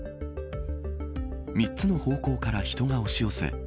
３つの方向から人が押し寄せ